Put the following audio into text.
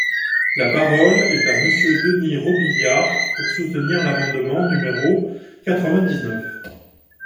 La parole est à Monsieur Denys Robiliard, pour soutenir l’amendement numéro quatre-vingt-dix-neuf.